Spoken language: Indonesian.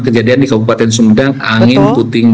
kejadian di kabupaten sumedang angin puting